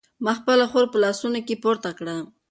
ما خپله خور په لاسونو کې پورته کړه.